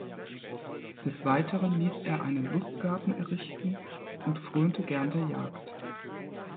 Des Weiteren ließ er einen Lustgarten errichten und frönte gern der Jagd.